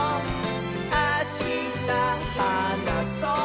あしたはなそう！」